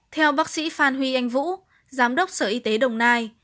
theo bác sĩ phan huy anh vũ giám đốc sở y tế đồng nai